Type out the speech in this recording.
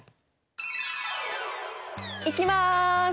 いきます！